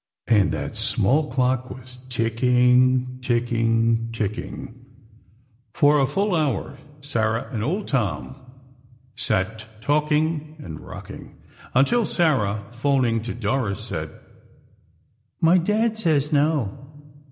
And that small clock was ticking, ticking, ticking ... For a full hour Sarah and old Tom sat talking and rocking, until Sarah, phoning to Doris, said: "My Dad says no."